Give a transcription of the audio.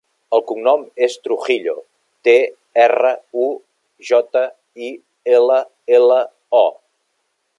El cognom és Trujillo: te, erra, u, jota, i, ela, ela, o.